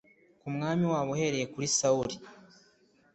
ku mwami wabo uhereye kuri sawuli